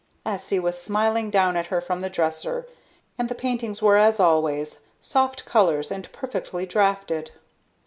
Essie was smiling down at her from the dresser, and the paintings were as always, soft colors and perfectly drafted.